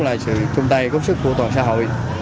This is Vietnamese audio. là sự chung tay góp sức của toàn xã hội